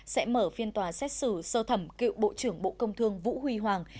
sẽ mở phiên tòa xét xử sơ thẩm cựu bộ trưởng bộ công thương vũ huy hoàng